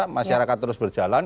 masyarakat terus berjalan